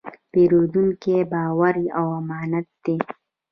د پیرودونکي باور یو امانت دی.